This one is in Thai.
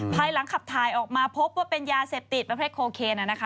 ภายหลังขับถ่ายออกมาพบว่าเป็นยาเสพติดประเภทโคเคนนะคะ